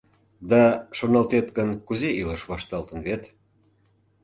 — Да, шоналтет гын, кузе илыш вашталтын вет!